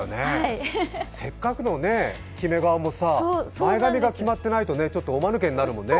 せっかくの決め顔も前髪が決まっていないとちょっとおまぬけになるもんね。